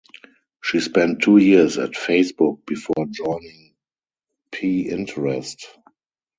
She spent two years at Facebook before joining Pinterest.